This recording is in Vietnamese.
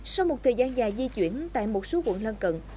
sau một thời gian dài di chuyển tại một số quận lân cận